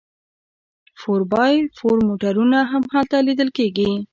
فور بای فور موټرونه هم هلته لیدل کیږي